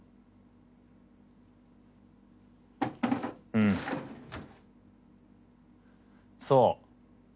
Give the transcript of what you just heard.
うんそう。